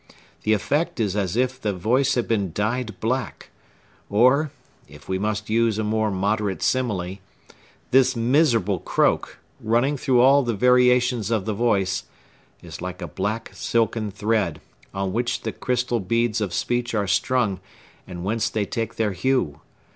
The effect is as if the voice had been dyed black; or,—if we must use a more moderate simile,—this miserable croak, running through all the variations of the voice, is like a black silken thread, on which the crystal beads of speech are strung, and whence they take their hue.